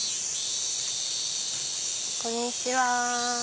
こんにちは！